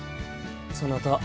そなた